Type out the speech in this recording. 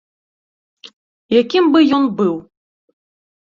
Якім бы ён быў?